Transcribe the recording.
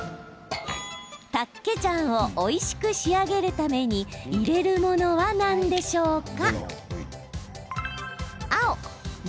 タッケジャンをおいしく仕上げるために入れるものは何でしょうか？